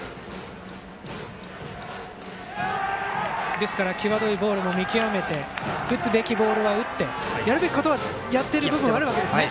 ですから際どいボールも見極めて打つべきボールは打ってやるべきことはやっている部分があるわけですね。